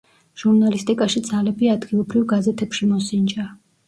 ჟურნალისტიკაში ძალები ადგილობრივ გაზეთებში მოსინჯა.